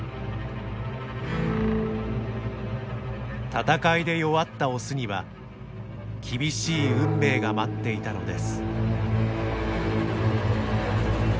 闘いで弱ったオスには厳しい運命が待っていたのです。